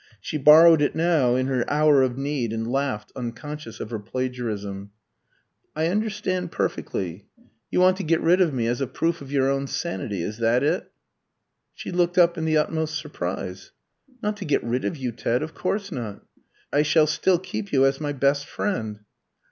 She borrowed it now in her hour of need, and laughed, unconscious of her plagiarism. "I understand perfectly. You want to get rid of me as a proof of your own sanity. Is that it?" She looked up in the utmost surprise. "Not to get rid of you, Ted, of course not. I shall still keep you as my best friend."